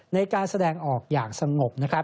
ในการแสดงออกอย่างสมบ